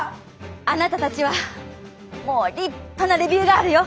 あなたたちはもう立派なレビューガールよ。